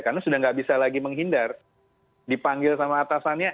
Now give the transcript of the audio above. karena sudah tidak bisa lagi menghindar dipanggil sama atasannya